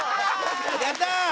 やったー！